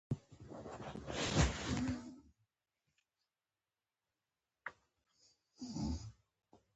• ښه ملګری د ژوند تر ټولو ښه ملګری دی.